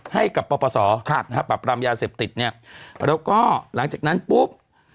ให้กับปปศปรับรามยาเสพติดเนี่ยแล้วก็หลังจากนั้นปุ๊บ